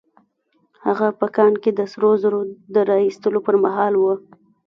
هغه په کان کې د سرو زرو د را ايستلو پر مهال وه.